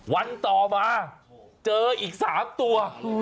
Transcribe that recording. วันต่อมาเจออีก๓ตัว